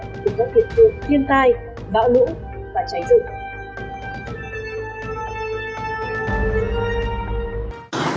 từ các địa phương thiên tai bão lũ và cháy rừng